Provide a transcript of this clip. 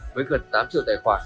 với gần tám triệu tài khoản